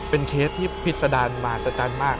เป็นเคสที่ผิดสดันมาสัจารณ์มาก